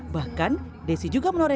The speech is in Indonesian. bahkan desi juga menorehkan